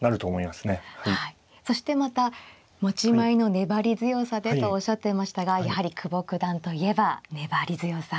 そしてまた持ち前の粘り強さでとおっしゃってましたがやはり久保九段といえば粘り強さ。